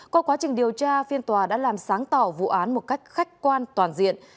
qua quá trình điều tra phiên tòa đã làm sáng tỏ vụ án một cách khách quan toàn diện